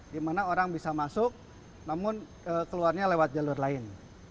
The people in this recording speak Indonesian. dimana orang bisa masuk namun keluarnya lewat jalur lain